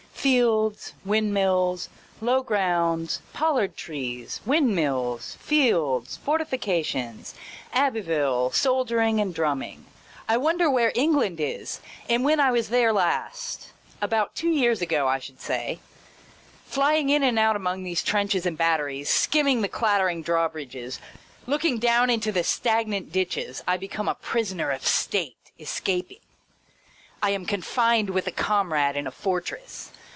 Fields, windmills, low grounds, pollard trees, windmills, fields, fortifications, Abbeville, soldiering and drumming. I wonder where England is, and when I was there last — about two years ago, I should say. Flying in and out among these trenches and batteries, skim ming the clattering drawbridges, looking down into the stagnant ditches, I become a prisoner of state, escaping. I am confined with a com rade in a fortress.